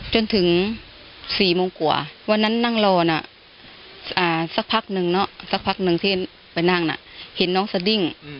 จนถึง๔โมงกว่าวันนั้นนั่งรอน่ะสักพักนึงสักพักหนึ่งที่ไปนั่งเห็นน้องสดิ้ง